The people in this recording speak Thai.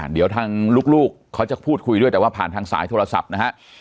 เดี๋ยวทางลูกเขาจะพูดคุยด้วยแต่ว่าผ่านทางสายโทรศัพท์นะฮะ